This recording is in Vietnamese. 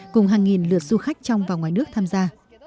cùng hàng nghìn lượt du khách trong và ngoài nước tham gia